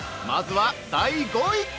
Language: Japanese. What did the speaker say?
まずは、第５位。